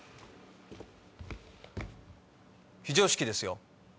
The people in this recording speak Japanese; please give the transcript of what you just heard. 非常識ですよ。